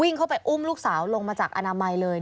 เข้าไปอุ้มลูกสาวลงมาจากอนามัยเลย